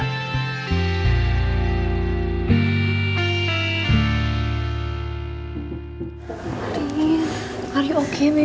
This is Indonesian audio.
biar gimana pun gue ada andil dalam kebencian arin sama kerupuk kulit